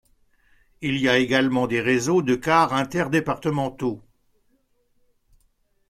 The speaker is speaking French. Il y a également des réseaux de cars inter-départementaux.